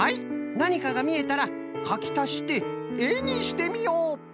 なにかがみえたらかきたしてえにしてみよう。